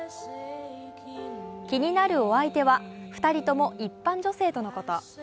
気になるお相手は、２人とも一般女性とのこと。